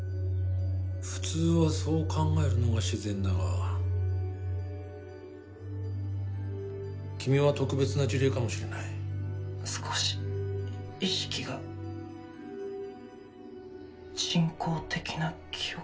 普通はそう考えるのが自然だが君は特別な事例かもしれない少し意識が人工的な記憶